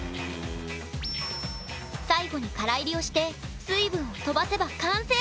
最後にからいりをして水分を飛ばせば完成。